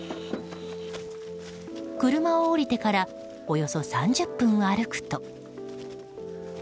車を降りてからおよそ３０分歩くと。